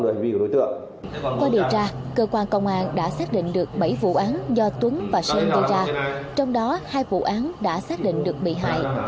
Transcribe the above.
qua điều tra cơ quan công an đã xác định được bảy vụ án do tuấn và sơn gây ra trong đó hai vụ án đã xác định được bị hại